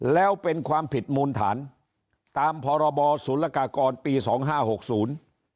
แล้วเป็นความผิดมูลฐานตามสุรกากรปีสองห้าหกศูนย์